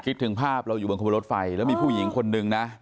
คิดถึงภาพเราอยู่บนขบวนรถไฟแล้วมีผู้หญิงคนนึงนะ